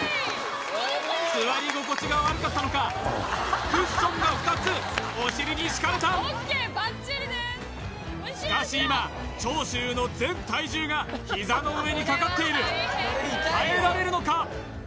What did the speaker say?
座り心地が悪かったのかクッションが２つお尻に敷かれたしかし今長州の全体重が膝の上にかかっている耐えられるのか